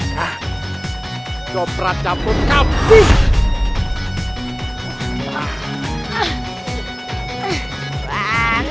kejaran ayo kejaran